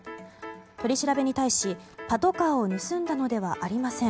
取り調べに対し、パトカーを盗んだのではありません。